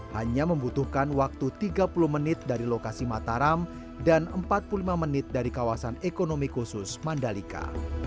hanya membutuhkan waktu tiga puluh menit dari lokasi mataram dan empat puluh lima menit dari kawasan ekonomi khusus mandalika